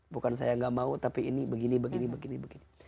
bukan saya nggak mau tapi ini begini begini begini